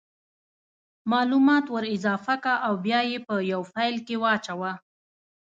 مالومات ور اضافه که او بیا یې په یو فایل کې واچوه